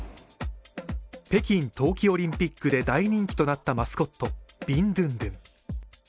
北京冬季オリンピックで大人気となったマスコット、ビンドゥンドゥン。